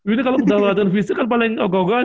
ini kalau udah latihan fisik kan paling ogong ogongan ya